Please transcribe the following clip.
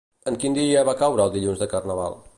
En quin dia va caure el dilluns de Carnaval?